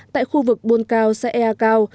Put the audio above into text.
tại khu vực buôn cao xã ea cao